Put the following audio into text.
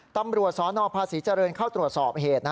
ตำรวจสนภาษีเจริญเข้าตรวจสอบเหตุ